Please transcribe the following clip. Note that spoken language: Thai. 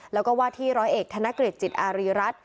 แล้วก็ว่าที่ร้อยเอกธนกฤษจิตอารีรัฐ